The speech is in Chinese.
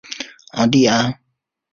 昂蒂安。